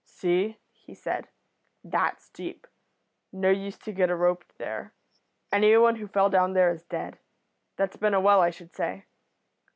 'See?' he said. 'That's deep. No use to get a rope there. Anyone who fell down there is dead. That's been a well, I should say.'